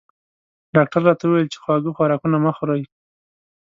ډاکټر راته وویل چې خواږه خوراکونه مه خورئ